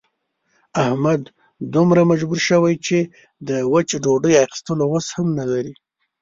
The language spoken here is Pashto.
احمد دومره مجبور شوی چې د وچې ډوډۍ اخستلو وس هم نه لري.